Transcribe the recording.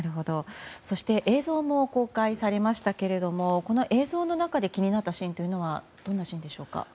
そして映像も公開されましたが映像の中で気になったシーンはどんなシーンでしょうか？